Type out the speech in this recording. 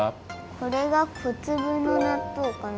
これが小つぶのなっとうかな？